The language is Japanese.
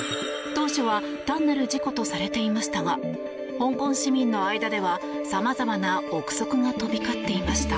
当初は単なる事故とされていましたが香港市民の間では様々な臆測が飛び交っていました。